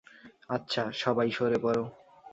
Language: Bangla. আচ্ছা, সবাই সরে পড়ো।